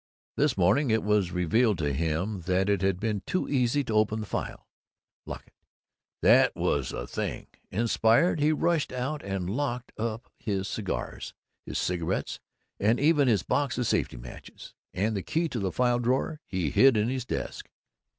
This morning it was revealed to him that it had been too easy to open the file. Lock it, that was the thing! Inspired, he rushed out and locked up his cigars, his cigarettes, and even his box of safety matches; and the key to the file drawer he hid in his desk.